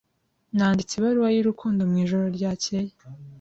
Nanditse ibaruwa y'urukundo mwijoro ryakeye.